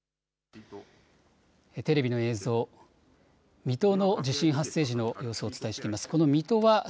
テレビの映像、水戸の地震発生時の様子をお伝えしています。